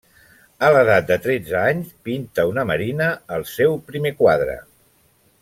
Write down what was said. A l'edat de tretze anys pinta una marina, el seu primer quadre.